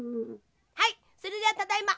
はいそれではただいま。